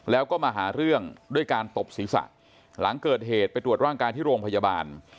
แล้วก็มาหาเรื่องด้วยการตบศีรษะหลังเกิดเหตุไปตรวจร่างกายที่โรงพยาบาล